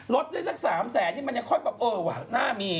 ลดได้สัก๓แสนนี่มันยังค่อยแบบเออว่ะหน้ามี